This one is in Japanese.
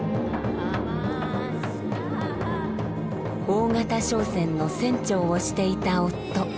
大型商船の船長をしていた夫。